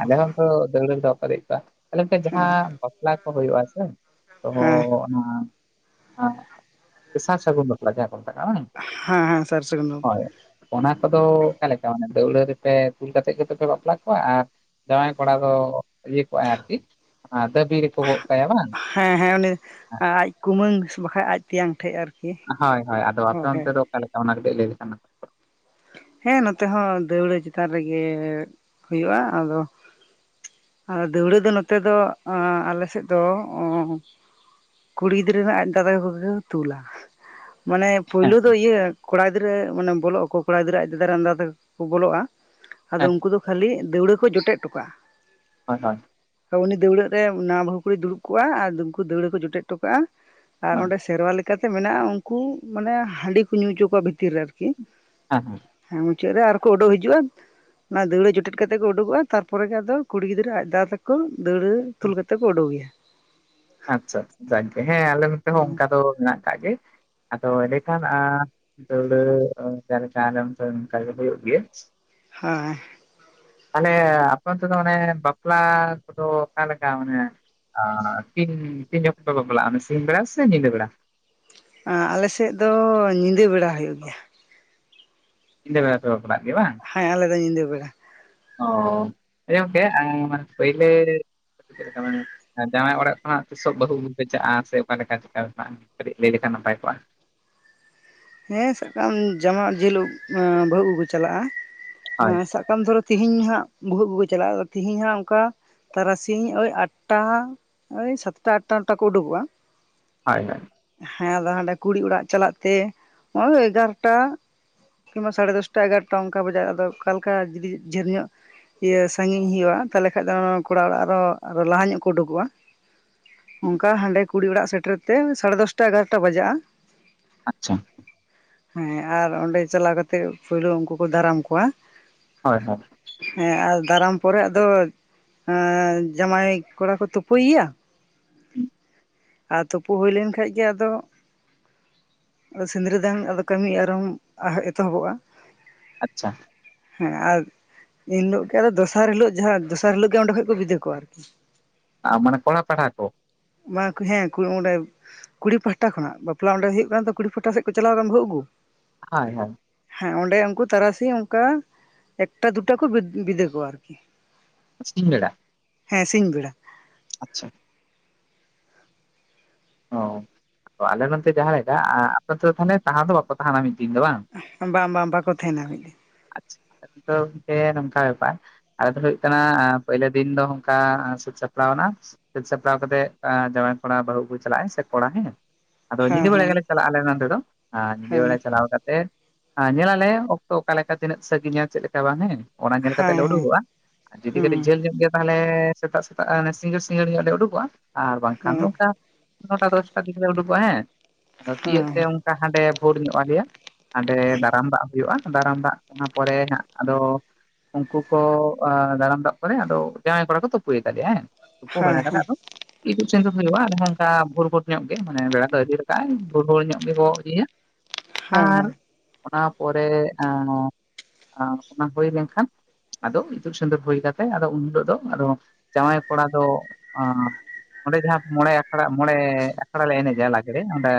A: ᱟᱞᱮ ᱦᱚᱸ ᱛ ᱫᱟᱹᱣᱲᱟᱹᱲ ᱨᱮ ᱫᱚ ᱵᱟᱠᱚ ᱫᱮ ᱠᱚᱣᱟ ᱟᱞᱮ ᱢᱤᱫᱴᱮᱱ
B: ᱦᱮᱸ
A: ᱡᱟᱦᱟᱸ ᱵᱟᱯᱞᱟ ᱠᱚ ᱦᱩᱭᱩᱜᱼᱟ ᱥᱮ [UNINTELLIGIBLE] ᱛ
B: ᱦᱮᱸ
A: ᱚᱱᱟ ᱥᱟᱨ ᱥᱟᱹᱜᱩᱱ ᱵᱟᱯᱞᱟ ᱡᱟᱦᱟᱸ ᱠᱚ ᱢᱮᱛᱟᱜᱟᱜ ᱵᱟᱝ [INAUDIBLE]
B: ᱦᱮᱸ ᱦᱮᱸ ᱥᱟᱨ ᱥᱟᱹᱜᱩᱱ [INAUDIBLE]
A: ᱦᱳᱭ ᱚᱱᱟ ᱠᱚᱫᱚ ᱚᱮᱫᱞᱮᱠᱟ ᱢᱟᱱᱮ ᱫᱟᱹᱣᱲᱟᱹ ᱨᱮᱯᱮ ᱛᱩᱞ ᱠᱟᱛᱮᱮᱫ ᱜᱮᱛᱚ ᱯᱮ ᱵᱟᱯᱞᱟᱟᱜ ᱠᱚ [INAUDIBLE] ᱟᱨ ᱡᱟᱶᱟᱭ ᱠᱚᱲᱟ ᱫᱚ ᱤᱭᱟᱹ ᱠᱚᱜᱼᱟᱭ ᱟᱨᱠᱤ ᱫᱟᱹᱵᱤ ᱨᱮᱠᱚ ᱜᱚᱜ ᱠᱟᱭᱟ ᱵᱟᱝ [INAUDIBLE]
B: ᱦᱮᱸ ᱦᱮᱸ ᱩᱱᱤᱚᱱᱮ ᱟᱡ ᱠᱩᱢᱟᱹᱝ ᱵᱟᱠᱟᱱ ᱟᱡ ᱛᱮᱭᱟᱝ ᱴᱷᱮᱡ ᱟᱨᱠᱤ [INAUDIBLE]
A: ᱦᱳᱭ ᱦᱳᱭ ᱟᱫᱚ ᱟᱯᱮᱚᱱᱛᱮ ᱫᱚ ᱚᱠᱟᱞ ᱞᱮᱠᱟ ᱚᱱᱟ ᱨᱮᱯᱮ ᱞᱟᱹᱭ ᱞᱮᱮ [UNINTELLIGIBLE]
B: ᱦᱮᱸ ᱱᱚᱛᱮ ᱦᱚᱸ ᱫᱟᱹᱣᱲᱟᱹ ᱪᱮᱛᱟᱱ ᱨᱮᱜᱮ ᱦᱩᱭᱩᱜᱼᱟ ᱟᱫᱚ [INAUDIBLE] ᱟᱨ ᱫᱟᱹᱣᱲᱟᱹ ᱫᱚ ᱱᱚᱛᱮ ᱫᱚ ᱟᱞᱮ ᱥᱮᱫ ᱫᱚ [INAUDIBLE] ᱠᱩᱲᱤ ᱜᱤᱫᱽᱨᱟᱹ ᱨᱮᱱᱟᱜ ᱟᱡ ᱫᱟᱫᱟ ᱠᱚᱜᱮ ᱠᱚ ᱛᱩᱞᱟ [INAUDIBLE] ᱢᱟᱱᱮ
A: ᱦᱮᱸ
B: ᱯᱳᱭᱞᱳ ᱫᱚ ᱤᱭᱟᱹ ᱠᱚᱲᱟ ᱜᱤᱫᱽᱨᱟᱹ ᱢᱟᱱᱮ ᱵᱚᱞᱚᱜ ᱟᱠᱚ [INAUDIBLE] ᱠᱚᱲᱟ ᱜᱤᱫᱽᱨᱟᱹ ᱟᱡ ᱫ ᱫᱟᱨᱮ ᱟᱫᱟ ᱛᱮᱠᱚ ᱵᱚᱞᱚᱜᱼᱟ ᱟᱫᱚ
A: ᱦᱮᱸ
B: ᱩᱱᱠᱩ ᱫᱚ ᱠᱷᱟᱹᱞᱤ ᱫᱟᱹᱣᱲᱟᱹ ᱠᱚ ᱡᱚᱴᱮᱫ ᱦᱚᱴᱚ ᱠᱟᱜᱼᱟ [INAUDIBLE]
A: ᱦᱳᱭ ᱦᱳᱭ [INAUDIBLE]
B: ᱩᱱᱤ ᱫᱟᱹᱲᱟᱹᱜ ᱨᱮ ᱱᱟ ᱵᱟᱹᱩ ᱠᱩᱲ ᱫᱩᱲᱩᱵ ᱠᱚᱜ ᱟᱨ ᱩᱱᱠᱩ ᱫᱟᱹᱣᱲᱟᱹ ᱠᱚ ᱡᱚᱴᱮᱫ ᱠᱚ [UNINTELLIGIBLE] ᱴᱚ ᱠᱟᱜᱼᱟ ᱟᱨ
A: ᱦᱳᱭ
B: ᱚᱸᱰᱮ ᱥᱮᱨᱣᱟ ᱞᱮᱠᱟ [INAUDIBLE] ᱪᱤᱠᱟᱹᱛᱮ ᱢᱮᱱᱟᱜᱼᱟ ᱩᱱᱠᱩ ᱢᱟᱱᱮ ᱦᱟᱺᱰᱤ ᱠᱚ ᱧᱩ ᱚᱪᱚ ᱠᱚᱣᱟ ᱵᱷᱤᱛᱤᱨ ᱨᱮ ᱟᱨᱠᱤ
A: ᱦᱮᱸ ᱦᱮᱸ
B: ᱦᱮᱸ ᱢᱩᱪᱟᱹᱫ ᱨᱮ ᱟᱨ ᱠᱚ ᱩᱰᱩᱠ ᱦᱤᱡᱩᱜᱼᱟ ᱚᱱᱟ ᱫᱟᱹᱣᱲᱟᱹ ᱡᱚᱴᱮᱫ ᱠᱟᱛᱮᱜ ᱠᱚ ᱩᱰᱩᱠᱚᱜ ᱛᱟᱨᱯᱚᱨᱮ ᱟᱫᱚ ᱠᱩᱲᱤ ᱜᱤᱫᱽᱨᱟᱹ ᱟᱡ ᱫᱟ ᱛᱟᱠᱚ ᱠᱚ ᱫᱟᱹᱟᱹᱲᱟᱹ ᱛᱩᱞ ᱠᱟᱛᱮ ᱠᱚ ᱩᱰᱩᱠᱮᱭᱟ
A: ᱟᱪᱪᱷᱟ ᱟᱪᱪᱷᱟ ᱡᱟᱜᱮ ᱦᱮᱸ ᱟᱞᱮ ᱱᱚᱛᱮ ᱦᱚᱸ ᱚᱱᱠᱟ ᱫᱚ ᱢᱮᱱᱟᱜ ᱠᱟᱜ ᱜᱮ ᱟᱫᱚ ᱮᱸᱰᱮᱠᱷᱟᱱ ᱫᱟᱹᱣᱲᱟᱹ [UNINTELLIGIBLE] ᱦᱩᱭᱩᱜ ᱜᱮᱭᱟᱹ
B: ᱦᱮᱸ [INAUDIBLE]
A: ᱛᱟᱦᱚᱞᱮ ᱟᱯᱮ ᱚᱱᱛᱮ ᱫᱚ ᱢᱟᱱᱮ ᱵᱟᱯᱞᱟ ᱠᱚᱫᱚ ᱚᱠᱟ ᱞᱮᱠᱟ ᱢᱟᱱᱮ? ᱛᱤᱱ ᱛᱤᱱ ᱡᱚᱠᱷᱚᱱ ᱠᱚ ᱵᱟᱯᱞᱟᱜᱼᱟ ᱥᱤᱧ ᱵᱮᱲᱟ ᱥᱮ ᱧᱤᱫᱟᱹ ᱵᱮᱲᱟ?
B: ᱟᱞᱮ ᱥᱮᱫ ᱫᱚ ᱧᱤᱫᱟᱹ ᱵᱮᱲᱟ ᱦᱩᱭᱩᱜ ᱜᱮᱭᱟ᱾
A: ᱧᱤᱫᱟᱹ ᱵᱮᱲᱟ ᱯᱮ ᱵᱟᱯᱞᱟᱜ ᱜᱮ ᱵᱟᱝ?
B: ᱦᱮᱸ ᱟᱞᱮ ᱫᱚ ᱧᱤᱫᱟᱹ ᱵᱮᱲᱟ
A: ᱚᱸ [UNINTELLIGIBLE] ᱯᱟᱹᱭᱞᱟᱹ ᱪᱮᱫ ᱞᱮᱠᱟ ᱢᱟᱱᱮ ᱡᱟᱶᱟᱭ ᱚᱲᱟᱜ ᱠᱷᱚᱱᱟᱜ ᱛᱤᱥᱚᱜ ᱵᱟᱹᱦᱩ ᱵᱟᱹᱦᱩ ᱯᱮ ᱪᱟᱜᱼᱟ ᱥᱮ ᱚᱠᱟ ᱞᱮᱠᱟ ᱪᱮᱠᱟ? ᱠᱟᱹᱴᱤᱡ ᱞᱟᱹᱭ ᱞᱮᱠᱷᱟᱱ ᱱᱟᱯᱟᱭ ᱠᱚᱜᱼᱟ᱾
B: ᱦᱮᱸ ᱥᱟᱵ ᱠᱟᱜ ᱢᱮ ᱡᱟᱢᱟ ᱡᱤᱞᱳ ᱵᱟᱹᱦᱩ ᱟᱹᱜᱩ ᱠᱚ ᱪᱟᱞᱟᱜᱼᱟ
A: ᱦᱳᱭ
B: ᱥᱟᱵ ᱮᱢ ᱫᱷᱚᱨᱚ ᱛᱮᱦᱤᱧ ᱦᱟᱸᱜ ᱵᱟᱦᱩ ᱪᱟᱞᱟᱜᱼᱟ ᱛᱮᱦᱤᱧ ᱦᱟᱸᱜ ᱚᱱᱠᱟ ᱛᱟᱨᱟᱥᱤᱧ ᱳᱭ ᱟᱴᱴᱟ ᱳᱭ ᱥᱟᱛᱴᱟ ᱟᱴᱴᱟ ᱠᱚ ᱩᱰᱩᱠᱚᱜᱼᱟ᱾
A: [UNINTELLIGIBLE]
B: ᱦᱮᱸ ᱟᱫᱚ ᱦᱟᱸᱰᱮ ᱠᱩᱲᱤ ᱚᱲᱟᱜ ᱪᱟᱞᱟᱜ ᱛᱮ ᱚᱸᱭ ᱮᱜᱟᱨᱚᱴᱟ ᱠᱤᱢᱵᱟ ᱥᱟᱲᱮ ᱫᱚᱥᱴᱟ ᱮᱜᱟᱨᱚᱴᱟ ᱚᱱᱠᱟ ᱵᱟᱡᱟᱜ ᱟᱫᱚ ᱚᱠᱟ ᱞᱮᱠᱟ ᱡᱩᱫᱤ ᱡᱷᱟᱹᱞ ᱧᱚᱜ ᱤᱭᱟᱹ ᱥᱟᱺᱜᱤᱧ ᱦᱩᱭᱩᱜᱼᱟ ᱛᱟᱞᱦᱮ ᱠᱷᱟᱡ ᱫᱚ ᱠᱚᱲᱟ ᱚᱲᱟᱜ ᱨᱮᱦᱚᱸ ᱞᱟᱦᱟ ᱧᱚᱜ ᱠᱚ ᱩᱰᱩᱠᱚᱜᱼᱟ᱾ ᱚᱱᱠᱟ ᱦᱟᱸᱰᱮ ᱠᱩᱲᱤ ᱚᱲᱟᱜ ᱥᱮᱴᱮᱨ ᱛᱮ ᱥᱟᱲᱮ ᱫᱚᱥᱴᱟ ᱮᱜᱟᱨᱚᱴᱟ ᱵᱟᱡᱟᱜᱼᱟ᱾
A: ᱟᱪᱪᱷᱟ
B: ᱦᱮᱸ ᱟᱨ ᱚᱸᱰᱮ ᱪᱟᱞᱟᱣ ᱠᱟᱛᱮᱫ ᱯᱳᱭᱞᱩ ᱩᱱᱠᱩ ᱠᱚ ᱫᱟᱨᱟᱢ ᱠᱚᱣᱟ᱾
A: ᱦᱳᱭ ᱦᱳᱭ
B: ᱦᱮᱸ ᱟᱨ ᱫᱟᱨᱟᱢ ᱯᱚᱨᱮ ᱟᱫᱚ ᱡᱟᱢᱟᱭ ᱠᱚᱲᱟ ᱠᱚ ᱛᱩᱯᱩᱭᱮᱭᱟ
A: [INAUDIBLE]
B: ᱟᱨ ᱛᱩᱯᱩ ᱦᱩᱭ ᱞᱮᱱ ᱠᱷᱟᱱ ᱜᱮ ᱟᱫᱚ ᱟᱫᱚ ᱥᱤᱸᱫᱽᱨᱟᱹ ᱫᱟᱱ ᱟᱫᱚ ᱠᱟᱹᱢᱤ ᱟᱨᱚᱢ ᱮᱛᱚᱦᱚᱵᱚᱜᱼᱟ᱾
A: ᱟᱪᱪᱷᱟ
B: ᱦᱮᱸ ᱟᱨ ᱮᱱ ᱦᱤᱞᱳᱜ ᱜᱮ ᱟᱫᱚ ᱫᱚᱥᱟᱨ ᱦᱤᱞᱳᱜ ᱡᱟᱦᱟᱸ ᱫᱚᱥᱟᱨ ᱦᱤᱞᱳᱜ ᱜᱮ ᱚᱸᱰᱮ ᱠᱷᱚᱡ ᱠᱚ ᱵᱤᱫᱟᱹᱭ ᱠᱚᱣᱟ
A: ᱢᱟᱱᱮ ᱠᱚᱲᱟ ᱯᱟᱦᱲᱟ ᱠᱚ
B: ᱢᱟ ᱦᱮᱸ ᱚᱸᱰᱮ ᱠᱩᱲᱤ ᱯᱟᱦᱴᱟ ᱠᱷᱚᱱᱟᱜ ᱵᱟᱯᱞᱟ ᱚᱸᱰᱮ ᱦᱩᱭᱩᱜ ᱠᱟᱱᱟ ᱛᱚ ᱠᱩᱲᱤ ᱯᱟᱦᱴᱟ ᱥᱮᱫ ᱠᱚ ᱪᱟᱞᱟᱣ ᱠᱟᱱ ᱵᱟᱹᱦᱩ ᱟᱹᱜᱩ
A: ᱦᱳᱭ ᱦᱳᱭ
B: ᱦᱮᱸ ᱚᱸᱰᱮ ᱩᱱᱠᱩ ᱛᱟᱨᱟᱥᱤᱧ ᱚᱱᱠᱟ ᱮᱠᱴᱟ ᱫᱩᱴᱟ ᱠᱚ ᱵᱤᱫᱟᱹᱭ ᱠᱚᱣᱟ
A: ᱥᱤᱧ ᱵᱮᱲᱟ
B: ᱦᱮᱸ ᱥᱤᱧ ᱵᱮᱲᱟ
A: ᱟᱪᱪᱷᱟ ᱚ ᱟᱞᱮ ᱱᱚᱱᱛᱮ ᱡᱟᱦᱟᱸ ᱞᱮᱠᱟ ᱟᱯᱮ ᱛᱟᱦᱚᱞᱮ ᱛᱟᱦᱮᱸ ᱫᱚ ᱵᱟᱠᱚ ᱛᱟᱦᱮᱱᱟ ᱢᱤᱫ ᱫᱤᱱ ᱫᱚ ᱵᱟᱝ
B: ᱵᱟᱝ ᱵᱟᱝ ᱵᱟᱠᱚ ᱛᱟᱦᱮᱱᱟ ᱢᱤᱫ ᱫᱤᱱ
A: ᱟᱪᱪᱷᱟ ᱟᱫᱚ ᱜᱚᱝᱠᱮ ᱱᱚᱝᱠᱟ ᱵᱮᱯᱟᱨ ᱟᱞᱮ ᱫᱚ ᱦᱩᱭᱩᱜ ᱠᱟᱱᱟ ᱯᱳᱭᱞᱳ ᱫᱤᱱ ᱫᱚ ᱚᱱᱠᱟ ᱥᱟᱹᱛ ᱥᱟᱯᱲᱟᱣ ᱮᱱᱟ ᱥᱟᱹᱛ ᱥᱟᱯᱲᱟᱣ ᱠᱟᱛᱮ ᱡᱟᱶᱟᱭ ᱠᱚᱲᱟ ᱵᱟᱹᱦᱩ ᱟᱹᱜᱩᱭ ᱪᱟᱞᱟᱜ-ᱟᱭ ᱥᱮ ᱠᱚᱲᱟ ᱦᱮᱸ ᱟᱫᱚ
B: ᱦᱮᱸ
A: ᱧᱤᱫᱟᱹ ᱵᱮᱲᱟ
B: ᱦᱮᱸ
A: ᱜᱮᱞᱮ ᱪᱟᱞᱟᱜᱼᱟ ᱟᱞᱮ ᱱᱚᱸᱰᱮ ᱫᱚ ᱟᱨ ᱧᱤᱫᱟᱹ
B: ᱦᱮᱸ
A: ᱵᱮᱲᱟ ᱪᱟᱞᱟᱣ ᱠᱟᱛᱮᱜ ᱧᱮᱞᱟᱞᱮ ᱚᱠᱛᱚ ᱚᱠᱟ ᱞᱮᱠᱟ ᱛᱤᱱᱟᱹᱜ ᱥᱟᱺᱜᱤᱧᱟ ᱪᱮᱫ ᱞᱮᱠᱟ ᱵᱟᱝ ᱦᱮᱸ ᱚᱱᱟ ᱧᱮᱞ ᱠᱟᱛᱮ ᱞᱮ
B: ᱦᱮᱸ
A: ᱩᱰᱩᱠᱚᱜᱼᱟ ᱟᱨ ᱡᱩᱫᱤ
B: ᱦᱮᱸ
A: ᱠᱟᱹᱴᱤᱡ ᱡᱷᱟᱹᱞ ᱧᱚᱜ ᱜᱮᱭᱟ ᱛᱟᱦᱚᱞᱮ ᱥᱮᱛᱟᱜ ᱥᱮᱛᱟᱜ ᱥᱤᱸᱜᱟᱹᱲ ᱥᱤᱸᱜᱟᱹᱲ ᱧᱚᱜ ᱞᱮ ᱩᱰᱩᱠᱚᱜᱼᱟ ᱟᱨ ᱵᱟᱝᱠᱷᱟᱱ ᱫᱚ
B: ᱦᱮᱸ
A: ᱚᱱᱠᱟ ᱱᱚᱴᱟ ᱫᱚᱥᱴᱟ ᱥᱮᱫ ᱞᱮ ᱩᱰᱩᱠᱚᱜᱼᱟ ᱦᱮᱸ ᱟᱫᱚ
B: ᱦᱮᱸ
A: ᱛᱤᱭᱟᱹᱜ ᱛᱮ ᱚᱱᱠᱟ ᱦᱟᱸᱰᱮ ᱵᱷᱳᱨ ᱧᱚᱜ ᱟᱞᱮᱭᱟ ᱦᱟᱸᱰᱮ ᱫᱟᱨᱟᱢ ᱫᱟᱜ ᱦᱩᱭᱩᱜᱼᱟ ᱫᱟᱨᱟᱢ ᱫᱟᱜ ᱚᱱᱟ ᱯᱚᱨᱮ ᱦᱟᱸᱜ ᱟᱫᱚ ᱩᱱᱠᱩ ᱠᱚ ᱫᱟᱨᱟᱢ ᱫᱟᱜ ᱯᱚᱨᱮ ᱟᱫᱚ ᱡᱟᱶᱟᱭ ᱠᱚᱲᱟ ᱠᱚ ᱛᱩᱯᱩᱭ ᱮ ᱛᱟᱞᱮᱭᱟ ᱦᱮᱸ ᱛᱩᱯᱩ ᱵᱟᱲᱟ ᱠᱟᱛᱮ
B: ᱦᱮᱸ
A: ᱟᱫᱚ ᱤᱛᱩᱫ ᱥᱤᱸᱫᱩᱨ ᱦᱩᱭᱩᱜᱼᱟ ᱟᱨ ᱦᱚᱸ ᱵᱷᱳᱨ ᱵᱷᱳᱨ ᱧᱚᱜ ᱜᱮ ᱢᱟᱱᱮ ᱵᱮᱲᱟ ᱫᱚ ᱟᱨᱤ ᱨᱟᱠᱟ ᱟᱭ ᱵᱷᱳᱨ ᱵᱷᱳᱨ ᱧᱚᱜ ᱜᱮᱠᱚ ᱤᱫᱤᱭᱟ
B: ᱦᱮᱸ
A: ᱟᱨ ᱚᱱᱟ ᱯᱚᱨᱮ ᱚᱱᱟ ᱦᱩᱭ ᱞᱮᱱᱠᱷᱟᱱ ᱟᱫᱚ ᱤᱛᱩᱫ ᱥᱤᱸᱫᱩᱨ ᱦᱩᱭ ᱠᱟᱛᱮᱫ ᱟᱫᱚ ᱩᱱ ᱦᱤᱞᱳᱜ ᱫᱚ ᱟᱫᱚ ᱡᱟᱶᱟᱭ ᱠᱚᱲᱟ ᱫᱚ ᱚᱸᱰᱮ ᱡᱟᱦᱟᱸ ᱢᱚᱬᱮ ᱟᱠᱷᱲᱟ ᱢᱚᱬᱮ ᱟᱠᱷᱲᱟ ᱞᱮ ᱮᱱᱮᱡᱟ ᱞᱟᱜᱽᱲᱮ ᱚᱸᱰᱮ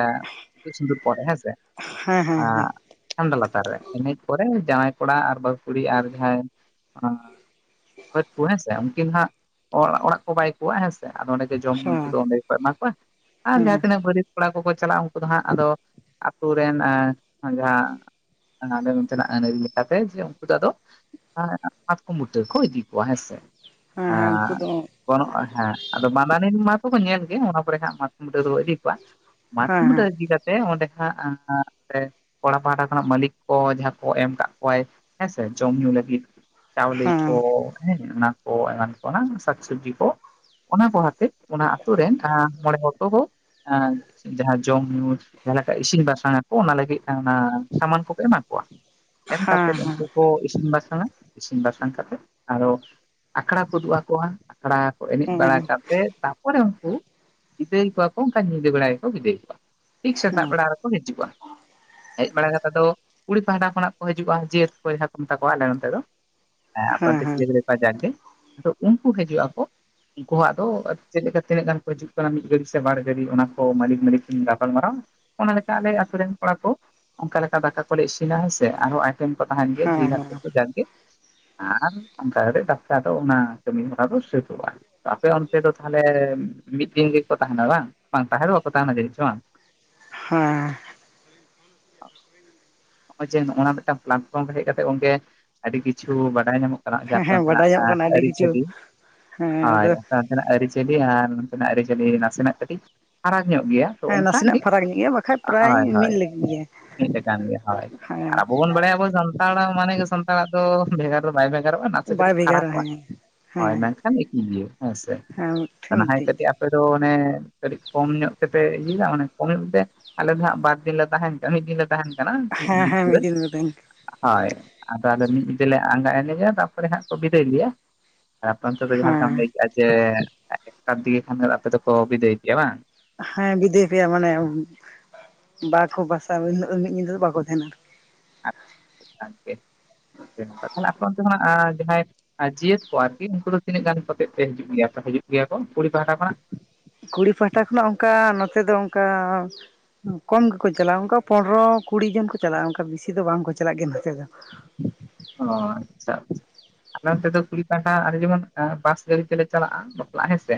A: ᱤᱛᱩᱫ ᱥᱤᱸᱫᱩᱨ ᱯᱚᱨᱮ ᱦᱮᱸᱥᱮ
B: ᱦᱮᱸ ᱦᱮᱸ
A: [UNINTELLIGIBLE] ᱪᱷᱟᱢᱰᱟ ᱞᱟᱛᱟᱨ ᱨᱮ ᱮᱱᱮᱡ ᱯᱚᱨᱮ ᱡᱟᱶᱟᱭ ᱠᱚᱲᱟ ᱟᱨ ᱵᱟᱹᱦᱩ ᱠᱩᱲᱤ ᱟᱨ ᱡᱟᱦᱟᱸᱭ ᱦᱮᱸᱥᱮ ᱩᱱᱠᱤᱱ ᱱᱟᱦᱟᱜ ᱚᱲᱟᱜ ᱠᱚ ᱵᱟᱭ ᱠᱚᱣᱟ ᱦᱮᱸᱥᱮ ᱟᱫᱚ ᱚᱸᱰᱮ ᱡᱚᱢ ᱧᱩᱢ ᱠᱚᱫᱚ
B: ᱦᱮᱸ ᱦᱮᱸ
A: ᱚᱸᱰᱮ ᱜᱮᱠᱚ ᱮᱢᱟ ᱠᱚᱣᱟ ᱟᱨ ᱡᱟᱸᱦᱟ
B: ᱦᱮᱸ ᱦᱮᱸ ᱦᱮᱸ
A: ᱛᱤᱱᱟᱹᱜ ᱵᱟᱹᱨᱭᱟᱛ ᱠᱚᱲᱟ ᱠᱚᱠᱚ ᱪᱟᱞᱟᱜᱼᱟ ᱩᱱᱠᱩ ᱫᱚ ᱦᱟᱸᱜ ᱟᱫᱚ ᱟᱛᱳ ᱨᱮᱱ ᱡᱟᱦᱟᱸ ᱦᱟᱸᱰᱮ ᱵᱚᱱ ᱪᱟᱞᱟᱜᱼᱟ ᱚᱸᱰᱮ ᱤᱭᱟᱹ ᱠᱟᱛᱮ ᱡᱮ ᱩᱱᱠᱩ ᱫᱚ ᱟᱫᱚ ᱢᱟᱛᱠᱚᱢ ᱵᱩᱴᱟᱹ ᱠᱚ ᱤᱫᱤ ᱠᱚᱣᱟ ᱦᱮᱸᱥᱮ
B: ᱩᱱᱠᱩ
A: ᱦᱮᱸ
B: ᱫᱚ
A: ᱜᱚᱱᱚᱜᱼᱟ ᱦᱮᱸ ᱟᱫᱚ ᱵᱟᱸᱫᱟᱱᱤ ᱢᱟᱛᱚ ᱠᱚ ᱧᱮᱞ ᱚᱱᱟ ᱯᱚᱨᱮ ᱦᱟᱸᱜ ᱢᱟᱛᱠᱚᱢ ᱵᱩᱴᱟᱹ ᱫᱚᱵᱚ ᱤᱫᱤ ᱠᱚᱣᱟ
B: ᱦᱮᱸ
A: ᱢᱟᱛᱠᱚᱢ ᱵᱩᱴᱟᱹ
B: ᱦᱮᱸ
A: ᱤᱫᱤ ᱠᱟᱛᱮᱫ ᱚᱸᱰᱮ ᱦᱟᱸᱜ ᱠᱚᱲᱟ ᱯᱟᱦᱴᱟ ᱠᱷᱚᱱᱟᱜ ᱢᱟᱹᱞᱤᱠ ᱠᱚ ᱡᱟᱦᱟᱸ ᱠᱚ ᱮᱢ ᱟᱠᱟᱫ ᱠᱚᱣᱟᱭ ᱦᱮᱸᱥᱮ ᱡᱚᱢ ᱧᱩ ᱞᱟᱹᱜᱤᱫ ᱪᱟᱣᱞᱤ ᱠᱚ
B: ᱦᱮᱸ
A: ᱦᱮᱸ ᱚᱱᱟ ᱠᱚ ᱮᱢᱟᱱ ᱠᱚ ᱥᱟᱠ ᱥᱚᱵᱡᱤ ᱠᱚ ᱚᱱᱟ ᱠᱚ ᱟᱛᱮ ᱚᱱᱟ ᱟᱛᱩ ᱨᱮᱱ ᱦᱟᱜ ᱢᱚᱬᱮ ᱦᱚᱲ ᱦᱚᱸ ᱡᱟᱦᱟᱸ ᱡᱚᱢ ᱧᱩ ᱡᱟᱦᱟᱸ ᱞᱮᱠᱟ ᱤᱥᱤᱱ ᱵᱟᱥᱟᱝ ᱟᱠᱚ ᱚᱱᱟ ᱞᱟᱹᱜᱤᱫ ᱚᱱᱟ ᱥᱟᱢᱟᱱ ᱠᱚᱯᱮ ᱮᱢᱟ ᱠᱚᱣᱟ ᱮᱢ
B: ᱦᱮᱸ
A: ᱠᱟᱛᱮᱫ
B: ᱦᱮᱸ
A: ᱩᱱᱠᱩ ᱠᱚ ᱤᱥᱤᱱ ᱵᱟᱥᱟᱝᱼᱟ ᱤᱥᱤᱱ ᱵᱟᱥᱟᱝ ᱠᱟᱛᱮᱫ ᱟᱨᱚ ᱟᱠᱷᱲᱟ ᱠᱚ ᱩᱫᱩᱜ ᱟᱠᱚᱣᱟ ᱟᱠᱷᱲᱟ ᱠᱚ ᱮᱱᱮᱡ ᱵᱟᱲᱟ
B: ᱦᱮᱸ ᱦᱮᱸ ᱦᱮᱸ
A: ᱠᱟᱛᱮᱫ ᱛᱟᱨᱯᱚᱨᱮ ᱩᱱᱠᱩ ᱵᱤᱫᱟᱹᱭ ᱠᱚᱣᱟ ᱠᱚ ᱚᱱᱠᱟ ᱧᱤᱫᱟᱹ ᱵᱮᱲᱟ ᱜᱮᱠᱚ ᱵᱤᱫᱟᱹᱭ ᱠᱚᱣᱟ ᱴᱷᱤᱠ ᱥᱮᱛᱟᱜ
B: ᱦᱮᱸ
A: ᱵᱮᱲᱟ ᱨᱮᱠᱚ ᱦᱤᱡᱩᱜᱼᱟ ᱦᱮᱡ ᱵᱟᱲᱟ ᱠᱟ ᱠᱟᱛᱮᱮᱫ ᱫᱚ ᱠᱩᱲᱤ ᱯᱟᱦᱴᱟ ᱠᱷᱚᱱᱟᱜ ᱠᱚ ᱦᱤᱡᱩᱜᱼᱟ ᱡᱤᱭᱟᱹᱛ ᱠᱚ ᱡᱟᱦᱟᱸ ᱠᱚ ᱢᱮᱛᱟ ᱠᱚᱣᱟ ᱟᱞᱮ ᱱᱚᱛᱮ ᱫᱚ ᱦᱮᱸ ᱟᱯᱟᱱᱛᱮ ᱥᱤᱞᱤᱜᱩᱲᱤ ᱠᱚ ᱡᱟᱠ ᱜᱮ ᱛᱚ ᱩᱱᱠᱩ ᱦᱤᱡᱩᱜ ᱟᱠᱚ ᱩᱱᱠᱩ ᱣᱟᱜ ᱫᱚ ᱪᱮᱫ ᱞᱮᱠᱟ ᱛᱤᱱᱟᱹᱜ ᱜᱟᱱ ᱠᱚ ᱦᱤᱡᱩᱜ ᱠᱟᱱᱟ ᱢᱤᱫ ᱜᱟᱹᱰᱤ ᱥᱮ ᱵᱟᱨ ᱜᱟᱹᱰᱤ ᱚᱱᱟ ᱠᱚ ᱢᱟᱹᱞᱤᱠ ᱢᱟᱹᱞᱤᱠ ᱠᱤᱱ ᱜᱟᱯᱟᱞᱢᱟᱨᱟᱣᱟ ᱚᱱᱟ ᱞᱮᱠᱟ ᱟᱞᱮ ᱟᱹᱛᱩ ᱨᱤᱱ ᱠᱚᱲᱟ ᱠᱚ ᱚᱱᱠᱟ ᱞᱮᱠᱟ ᱫᱟᱠᱟ ᱠᱚᱞᱮ ᱤᱥᱤᱱᱟ ᱦᱮᱸᱥᱮ ᱟᱨ ᱦᱚᱸ
B: ᱦᱮᱸ
A: [UNINTELLIGIBLE] ᱜᱮ ᱟᱨ ᱚᱱᱠᱟ ᱰᱟᱠᱛᱟᱨ ᱫᱚ ᱚᱱᱟ ᱠᱟᱹᱢᱤ ᱦᱚᱨᱟ ᱫᱚ ᱥᱟᱹᱛᱩᱜᱼᱟ ᱟᱯᱮ ᱚᱱᱛᱮ ᱫᱚ ᱛᱟᱦᱚᱞᱮ ᱢᱤᱫ ᱫᱤᱱ ᱜᱮᱠᱚ ᱛᱟᱦᱮᱱᱟ ᱵᱟᱝ ᱵᱟᱝ ᱛᱟᱦᱮᱸ ᱫᱚ ᱵᱟᱠᱚ ᱛᱟᱦᱮᱱᱟ ᱠᱤᱱᱛᱩ ᱵᱟᱝ
B: ᱦᱮᱸ
A: ᱚ ᱱᱚᱜ ᱚᱭ ᱡᱮ ᱱᱚᱜ ᱚᱭ ᱢᱤᱫᱴᱟᱝ ᱯᱞᱟᱴᱯᱷᱨᱚᱢ ᱨᱮ ᱦᱮᱡ ᱠᱟᱛᱮ ᱜᱚᱢᱠᱮ ᱟᱹᱰᱤ ᱠᱤᱪᱷᱩ ᱵᱟᱰᱟᱭ ᱧᱟᱢᱚᱜ ᱠᱟᱱᱟ
B: ᱦᱮᱸ ᱦᱮᱸ
A: ᱡᱷᱟᱲᱠᱷᱚᱸᱰ ᱨᱮᱱᱟᱜ
B: ᱵᱟᱰᱟᱭ ᱧᱚᱜ ᱠᱟᱱᱟ ᱟᱹᱰᱤ ᱠᱤᱪᱷᱩ
A: ᱟᱹᱨᱤᱼᱪᱟᱹᱞᱤ
B: ᱦᱮᱸ ᱟᱫᱚ
A: ᱚᱱᱛᱮᱱᱟᱜ ᱟᱹᱨᱤᱼᱪᱟᱹᱞᱤ ᱟᱨ ᱱᱚᱛᱮᱱᱟᱜ ᱟᱹᱨᱤᱼᱪᱟᱹᱞᱤ ᱱᱟᱥᱮᱱᱟᱜ ᱠᱟᱹᱴᱤᱡ ᱯᱷᱟᱨᱟᱠ ᱧᱚᱜ ᱜᱮᱭᱟ ᱛᱚ
B: ᱦᱮᱸ
A: ᱚᱱᱠᱟ ᱜᱮ
B: ᱱᱟᱥᱮᱱᱟᱜ ᱯᱷᱟᱨᱟᱠ ᱧᱚᱜ ᱜᱮᱭᱟ ᱵᱟᱠᱷᱟᱡ ᱯᱨᱟᱭ
A: ᱦᱳᱭ ᱦᱳᱭ
B: ᱢᱤᱫ ᱞᱮᱠ ᱜᱮᱭᱟ
A: ᱢᱤᱫ ᱞᱮᱠᱟᱱ ᱜᱮᱭᱟ ᱦᱳᱭ ᱟᱨ
B: ᱦᱮᱸ
A: ᱟᱵᱚ ᱵᱚᱱ ᱵᱟᱲᱟᱭᱟ ᱟᱵᱚ ᱥᱟᱱᱛᱟᱲ ᱢᱟᱱᱮ ᱜᱮ ᱥᱟᱱᱛᱟᱲ ᱟᱜ ᱫᱚ ᱵᱷᱮᱜᱟᱨ ᱫᱚ ᱵᱟᱭ ᱵᱷᱮᱜᱟᱨᱚᱜᱼᱟ ᱱᱟᱥᱮ
B: ᱵᱟᱭ
A: ᱠᱟᱹᱴᱤᱡ
B: ᱵᱷᱮᱜᱟᱨᱟ
A: ᱯᱷᱟᱨᱟᱠᱚᱜᱼᱟ
B: ᱦᱮᱸ
A: ᱦᱳᱭ
B: ᱦᱮᱸ
A: ᱢᱮᱱᱠᱷᱟᱱ ᱮᱠᱤ ᱜᱮᱭᱟ ᱦᱮᱸ ᱥᱮ
B: ᱦᱮᱸ ᱢᱤᱫᱴᱷᱮᱱ
A: ᱱᱟᱦᱟᱭ
B: ᱢᱤᱫᱴᱤᱡ
A: ᱠᱟᱹᱴᱤᱡ ᱟᱯᱮ ᱫᱚ ᱚᱱᱮ ᱠᱟᱹᱴᱤᱡ ᱠᱚᱢ ᱧᱚᱜ ᱛᱮᱯᱮ ᱤᱫᱤᱭᱮᱫᱟ ᱢᱟᱱᱮ ᱠᱚᱢ ᱧᱚᱜ ᱯᱮ ᱟᱞᱮ ᱫᱚ ᱦᱟᱸᱜ ᱵᱟᱨ ᱫᱤᱱ ᱞᱮ ᱛᱟᱦᱮᱱ ᱠᱟᱱᱟ ᱢᱤᱫ ᱫᱤᱱ ᱞᱮ ᱛᱟᱦᱮᱱ ᱠᱟᱱᱟ ᱢᱤᱫ
B: ᱦᱮᱸ
A: ᱫᱤᱱ
B: ᱦᱮᱸ
A: ᱯᱩᱨᱟᱹ᱾
B: ᱢᱤᱫ ᱫᱤᱱ
A: ᱦᱳᱭ ᱟᱫᱚ ᱟᱞᱮ ᱢᱤᱫ ᱧᱤᱫᱟᱹ ᱞᱮ ᱟᱸᱜᱟᱭᱟ ᱮᱱᱮᱡᱟ ᱛᱟᱨᱯᱚᱨᱮ ᱦᱟᱸᱜ ᱠᱚ ᱵᱤᱫᱟᱹᱭ ᱞᱮᱭᱟ᱾ ᱟᱯᱮ ᱚᱱᱛᱮ ᱫᱚ ᱡᱟᱦᱟᱸ
B: ᱦᱮᱸ
A: ᱞᱮᱠᱟᱢ ᱞᱟᱹᱭ ᱠᱮᱫᱟ ᱡᱮ ᱮᱠᱴᱟ ᱫᱤᱜᱮ ᱠᱷᱚᱱ ᱟᱯᱮ ᱫᱚ ᱠᱚ ᱵᱤᱫᱟᱹᱭ ᱯᱮᱭᱟ ᱵᱟᱝ?
B: ᱦᱮᱸ ᱵᱤᱫᱟᱹᱭ ᱯᱮᱭᱟ ᱢᱟᱱᱮ ᱵᱟᱠᱚ ᱵᱟᱥᱟ ᱢᱤᱫ ᱧᱤᱫᱟᱹ ᱫᱚ ᱵᱟᱠᱚ ᱛᱟᱦᱮᱱᱟ᱾
A: ᱟᱪᱪᱷᱟ ᱵᱷᱟᱜᱮ [UNINTELLIGIBLE] ᱛᱟᱦᱚᱞᱮ ᱟᱯᱮ ᱚᱱᱛᱮ ᱠᱷᱚᱱᱟᱜ ᱡᱟᱦᱟᱸᱭ ᱟᱨ ᱡᱤᱭᱟᱹᱛ ᱠᱚ ᱟᱨᱠᱤ ᱩᱱᱠᱩ ᱫᱚ ᱛᱤᱱᱟᱹᱜ ᱜᱟᱱ ᱠᱚᱛᱮᱫ ᱛᱮ ᱦᱤᱡᱩᱜ ᱜᱮᱭᱟ ᱠᱚ ᱦᱤᱡᱩᱜ ᱜᱮᱭᱟ ᱠᱚ ᱠᱩᱲᱤ ᱯᱟᱦᱴᱟ ᱠᱷᱚᱱᱟᱜ?
B: ᱠᱩᱲᱤ ᱯᱟᱦᱴᱟ ᱠᱷᱚᱱᱟᱜ ᱚᱱᱠᱟ ᱱᱚᱛᱮ ᱫᱚ ᱚᱱᱠᱟ ᱠᱚᱢ ᱜᱮᱠᱚ ᱪᱟᱞᱟᱜᱼᱟ ᱚᱱᱠᱟ ᱯᱚᱱᱫᱨᱚ ᱠᱩᱲᱤ ᱡᱚᱱ ᱠᱚ ᱪᱟᱞᱟᱜᱼᱟ ᱚᱱᱱᱠᱟ ᱵᱮᱥᱤ ᱫᱚ ᱵᱟᱝᱠᱚ ᱪᱟᱞᱟᱜᱼ ᱠᱤᱱᱛᱩ ᱱᱚᱛᱮ ᱫᱚ᱾
A: ᱚ ᱟᱪᱪᱷᱟ ᱟᱪᱪᱷᱟ᱾ ᱟᱞᱮ ᱚᱱᱛᱮ ᱫᱚ ᱠᱩᱲᱤ ᱯᱟᱦᱴᱟ ᱡᱮᱢᱚᱱ ᱵᱟᱥ ᱜᱟᱹᱰᱤ ᱛᱮᱞᱮ ᱪᱟᱞᱟᱜᱼᱟ ᱵᱟᱯᱞᱟᱜ ᱦᱮᱸ ᱥᱮ,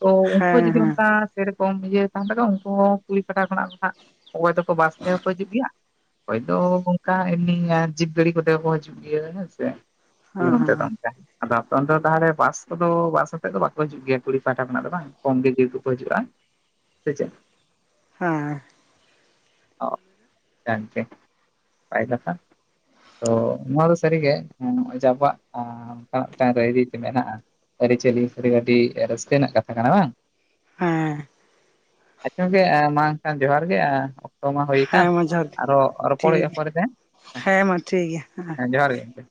A: ᱛᱚ ᱩᱱᱠᱩ
B: ᱦᱮᱸ
A: ᱡᱩᱫᱤ
B: ᱦᱮᱸ
A: ᱚᱱᱠᱟ ᱥᱮ ᱨᱮᱠᱚᱢ ᱤᱭᱟᱹ ᱛᱟᱦᱮᱱ ᱛᱟᱠᱚ ᱣᱟᱱ ᱩᱱᱠᱩ ᱦᱚᱸ ᱠᱩᱲᱤ ᱯᱟᱦᱴᱟ ᱠᱷᱚᱱᱟᱜ ᱫᱚ ᱦᱟᱸᱜ ᱚᱠᱚᱭ ᱫᱚᱠᱚ ᱵᱟᱥ ᱛᱮ ᱦᱚᱸ ᱠᱚ ᱦᱤᱡᱩᱜ ᱜᱮᱭᱟ ᱚᱠᱚᱭ ᱫᱚ ᱚᱱᱠᱟ ᱮᱢᱱᱤ ᱡᱤᱯ ᱜᱟᱹᱰᱤ ᱠᱚᱛᱮ ᱦᱚᱸ ᱠᱚ ᱦᱤᱡᱩᱜ ᱜᱮᱭᱟ ᱦᱮᱸ ᱥᱮ ᱟᱞᱮ
B: ᱦᱮᱸ
A: ᱱᱚᱱᱛᱮ ᱫᱚ᱾ ᱟᱫᱚ ᱟᱯᱮ ᱚᱱᱛᱮ ᱫᱚ ᱛᱟᱦᱞᱮ ᱵᱟᱥ ᱠᱚᱫᱚ ᱵᱟᱥ ᱟᱛᱮᱫ ᱫᱚ ᱵᱟᱠᱚ ᱦᱤᱡᱩᱜ ᱜᱮᱭᱟ ᱠᱩᱲᱤ ᱯᱟᱦᱟᱴᱟ ᱠᱷᱚᱱᱟᱜ ᱫᱚ ᱵᱟᱝ? ᱠᱚᱢ ᱜᱮ ᱡᱤᱭᱟᱹᱛ ᱠᱚᱠᱚ ᱦᱤᱡᱩᱜᱼᱟ ᱥᱮ ᱪᱮᱫ?
B: ᱦᱮᱸ
A: ᱚ ᱡᱟᱜᱜᱮ ᱯᱟᱭ ᱠᱟᱛᱷᱟ, ᱛᱚ ᱱᱚᱣᱟ ᱫᱚ ᱥᱟᱹᱨᱤᱜᱮ ᱮᱸ ᱱᱚᱜᱼᱚᱭ ᱡᱮ ᱟᱵᱩᱣᱟᱜ ᱮᱸ ᱚᱝᱠᱟ ᱢᱤᱫᱴᱟᱝ ᱨᱟᱹᱭ ᱨᱤᱛ ᱢᱮᱱᱟᱜᱼᱟ ᱟᱹᱨᱤᱪᱟᱹᱞᱤ ᱥᱟᱨᱤᱜᱮ ᱟᱹᱰᱤ ᱨᱟᱹᱥᱠᱟᱹ ᱨᱮᱱᱟᱜ ᱠᱟᱛᱷᱟ ᱠᱟᱱᱟ ᱵᱟᱝ?
B: ᱦᱮᱸ
A: ᱟᱪᱷᱟ ᱚᱝᱠᱮ ᱢᱟ ᱮᱠᱷᱟᱱ ᱡᱚᱦᱟᱨ ᱜᱮ ᱮᱸ ᱚᱠᱛᱚ ᱢᱟ ᱦᱩᱭ ᱟᱠᱟᱱ
B: ᱦᱮᱸ ᱢᱟ ᱡᱚᱦᱟᱨ ᱜᱮ
A: ᱟᱨᱚ ᱨᱚᱯᱚᱲ
B: ᱴᱷᱤᱠ
A: ᱦᱩᱭᱩᱜᱼᱟ
B: ᱜᱮᱭᱟ
A: ᱯᱚᱨᱮᱛᱮ ᱦᱮᱸ᱾
B: ᱦᱮᱸ ᱢᱟ ᱴᱷᱤᱠ ᱜᱮᱭᱟ᱾ ᱦᱮᱸ
A: ᱦᱮᱸ ᱡᱚᱦᱟᱨ ᱜᱮ ᱜᱚᱝᱠᱮ᱾